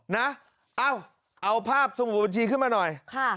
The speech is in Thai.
นะเอ้าเอาภาพสมุดบัญชีขึ้นมาหน่อย